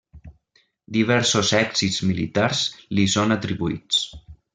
Diversos èxits militars li són atribuïts.